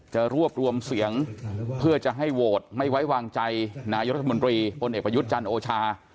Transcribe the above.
จะรวบรวมเสียงเพื่อจะให้โหวตไม่ไว้วางใจนายกรัฐมนตรีพลเอกประยุทธ์จันทร์โอชา